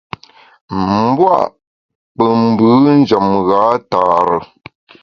Mbua’ nkpù mbù njem gha tare.